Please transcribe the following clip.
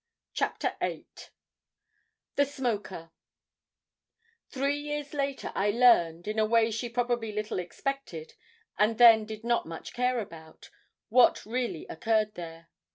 CHAPTER VIII THE SMOKER Three years later I learned in a way she probably little expected, and then did not much care about what really occurred there.